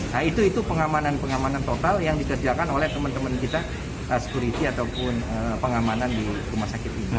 nah itu itu pengamanan pengamanan total yang dikerjakan oleh teman teman kita sekuriti ataupun pengamanan di rumah sakit ini